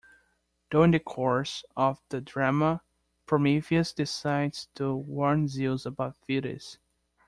During the course of the drama, Prometheus decides to warn Zeus about Thetis.